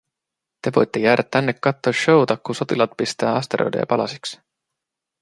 "te voitte jäädä tänne kattoo show'ta, ku sotilaat pistää asteroideja palasiks.